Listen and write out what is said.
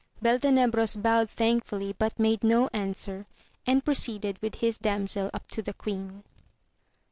Beltenebros bowed thankfully, but made no answer, and proceeded with his damsel up to the queen.